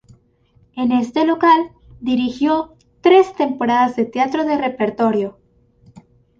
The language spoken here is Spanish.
En este local dirigió tres temporadas de teatro de repertorio.